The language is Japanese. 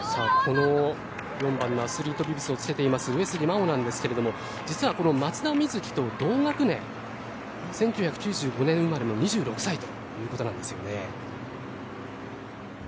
この４番のアスリートギプスをつけています上杉真穂なんですけど実はこの松田瑞生と同学年１９９５年生まれの２６歳ということなんですよね。